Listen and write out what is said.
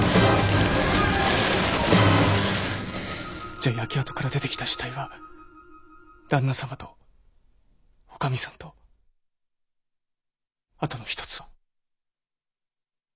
じゃ焼け跡から出てきた死体は旦那様と内儀さんとあとの一つは？